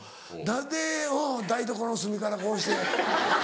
何でうん台所の隅からこうして。